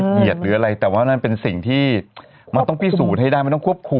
หรืออะไรแต่ว่านั่นเป็นสิ่งที่มันต้องพิสูจน์ให้ได้มันต้องควบคุม